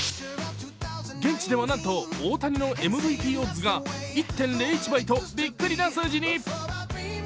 現地ではなんと大谷のＭＶＰオッズが１．０１倍とびっくりな数字に。